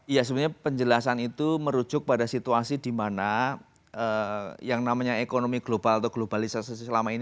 ya sebenarnya penjelasan itu merujuk pada situasi di mana yang namanya ekonomi global atau globalisasi selama ini